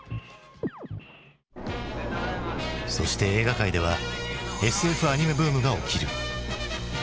そして映画界ではＳＦアニメブームが起きる。